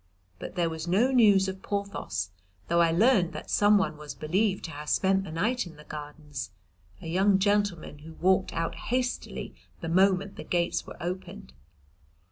But there was no news of Porthos, though I learned that someone was believed to have spent the night in the Gardens, a young gentleman who walked out hastily the moment the gates were opened.